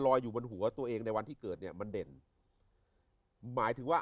อยู่บนหัวตัวเองในวันที่เกิดเนี่ยมันเด่นหมายถึงว่า